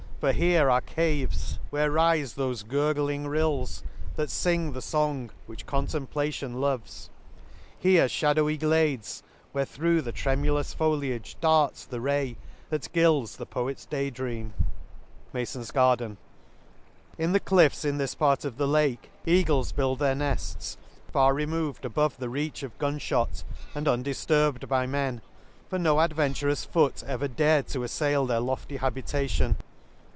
— For here are caves' '" Where rife thofe gurgling rills, that fing the fong " Which Contemplation loves ; here fhadowy glades, U Where thro' the tremulous foliage darts the ray " That gilds the poet's day dream #»» In the cliffs in this prfft of the Lafed eagles build their nefts, far removed above the reach of gunfhot, and undis turbed by men ; for no adventurous foot ever dared to affail their lofty habitation.